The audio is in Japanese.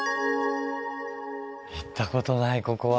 行ったことないここは。